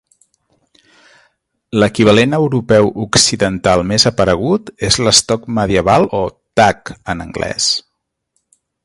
L'equivalent europeu occidental més aparegut és l'estoc medieval o "tuck" en anglès.